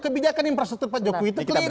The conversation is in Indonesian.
kebijakan infrastruktur pak jokowi itu clear